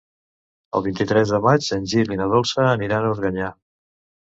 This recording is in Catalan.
El vint-i-tres de maig en Gil i na Dolça aniran a Organyà.